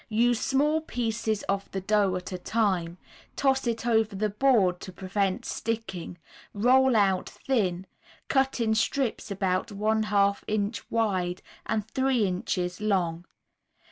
Use small pieces of the dough at a time, toss it over the board to prevent sticking, roll out thin, cut in strips about one half inch wide and three inches long.